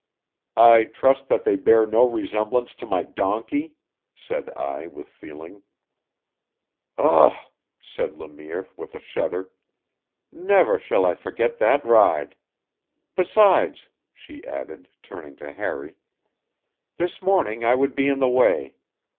"I trust that they bear no resemblance to my donkey," said I with feeling. "Ugh!" said Le Mire with a shudder. "Never shall I forget that ride. Besides," she added, turning to Harry, "this morning I would be in the way.